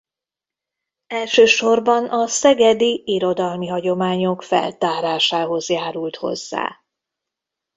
Elsősorban a szegedi irodalmi hagyományok feltárásához járult hozzá.